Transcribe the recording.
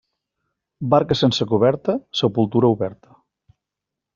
Barca sense coberta, sepultura oberta.